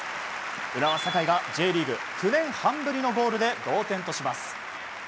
浦和、酒井がＪリーグ９年半ぶりのゴールで同点とします。